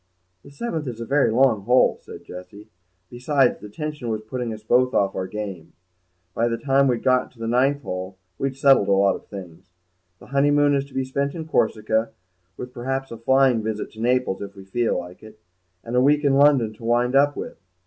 "The seventh is a very long hole," said Jessie; "besides, the tension was putting us both off our game. By the time we'd got to the ninth hole we'd settled lots of things. The honeymoon is to be spent in Corsica, with perhaps a flying visit to Naples if we feel like it, and a week in London to wind up with.